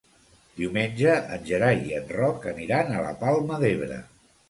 Diumenge en Gerai i en Roc aniran a la Palma d'Ebre.